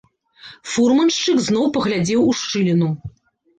Фурманшчык зноў паглядзеў у шчыліну.